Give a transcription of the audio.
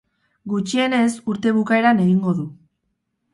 Gutxienez, urte bukaeran egingo du.